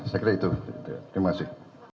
saya kira itu terima kasih